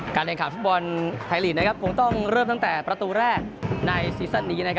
แรงข่าวฟุตบอลไทยลีกคงต้องเริ่มตั้งแต่ประตูแรกในซีซั่นนี้